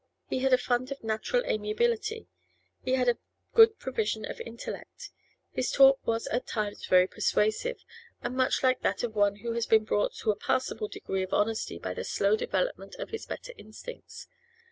He had a fund of natural amiability; he had a good provision of intellect; his talk was at times very persuasive and much like that of one who has been brought to a passable degree of honesty by the slow development of his better instincts.